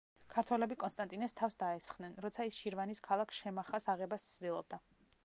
ქართველები კონსტანტინეს თავს დაესხნენ, როცა ის შირვანის ქალაქ შემახას აღებას ცდილობდა.